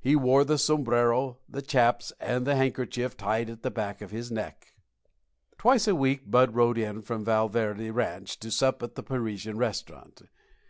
He wore the sombrero, the chaps, and the handkerchief tied at the back of his neck. Twice a week Bud rode in from the Val Verde Ranch to sup at the Parisian Restaurant.